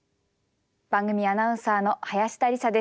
番組アナウンサーの林田理沙です。